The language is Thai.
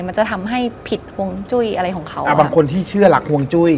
มันจะทำให้ผิดห่วงจุ้ยอะไรของเขาอ่าบางคนที่เชื่อหลักห่วงจุ้ย